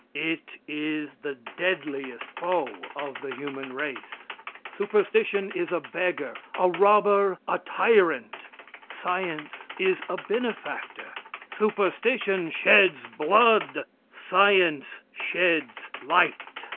It is the deadliest foe of the human race. Superstition is a beggar a robber, a tyrant. Science is a benefactor. Superstition sheds blood. Science sheds light.